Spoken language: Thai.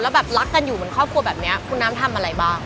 แบบรักกันอยู่เหมือนครอบครัวแบบนี้คุณน้ำทำอะไรบ้าง